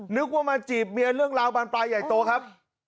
นึกว่ามาจีบเมียเรื่องราวบานปลายใหญ่โตครับ